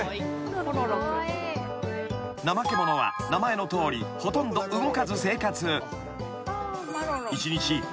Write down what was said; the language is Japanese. ［ナマケモノは名前のとおりほとんど動かず生活］